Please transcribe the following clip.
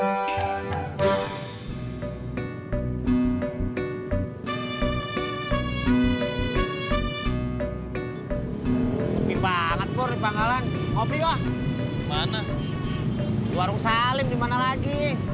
hai sepi banget korebang alan ngopi wah mana warung salim dimana lagi